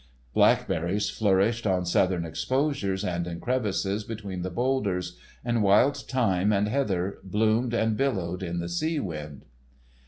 Blackberries flourished on southern exposures and in crevices between the bowlders, and wild thyme and heather bloomed and billowed in the sea wind.